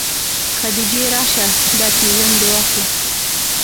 خديجې راسه دا تيزن دې واخله.